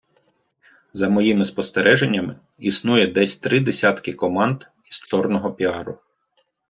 За моїми спостереженнями, існує десь три десятки команд зі чорного піару.